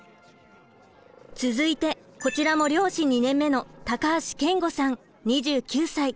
続いてこちらも漁師２年目の高橋謙吾さん２９歳。